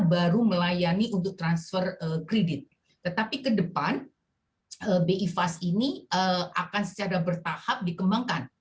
baru melayani untuk transfer kredit tetapi kedepan lebih fast ini akan secara bertahap dikembangkan